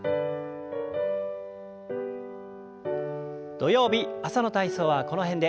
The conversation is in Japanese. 土曜日朝の体操はこの辺で。